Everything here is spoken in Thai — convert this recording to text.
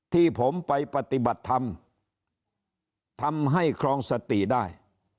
ที่ผมไปปฏิบัติธรรมทำให้ครองสติได้